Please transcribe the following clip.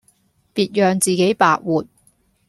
別讓自己白活